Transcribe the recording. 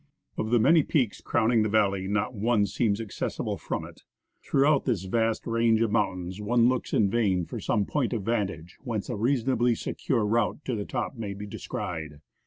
Of the many peaks crowning the valley, not one seems accessible from it ; throughout this vast range of mountains one looks in vain for some point of vantage whence a reasonably secure route to the top may be descried.